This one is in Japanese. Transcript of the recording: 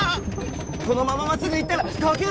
このまま真っすぐ行ったら崖だよ！